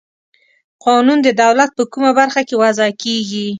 قانون د دولت په کومه برخه کې وضع کیږي؟